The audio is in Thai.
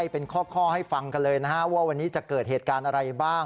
เป็นข้อให้ฟังกันเลยนะฮะว่าวันนี้จะเกิดเหตุการณ์อะไรบ้าง